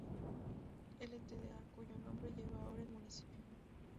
Ltda", cuyo nombre lleva ahora el municipio.